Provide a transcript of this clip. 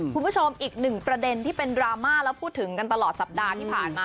คุณผู้ชมอีกหนึ่งประเด็นที่เป็นดราม่าแล้วพูดถึงกันตลอดสัปดาห์ที่ผ่านมา